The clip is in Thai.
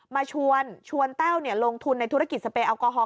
มาชวนชวนแต้วเนี่ยลงทุนในธุรกิจสเปรย์แอลกอฮอล์